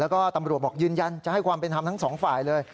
แล้วก็ตำรวจบอกยืนยันจะให้ความเป็นธรรมทั้งสองฝ่ายเลย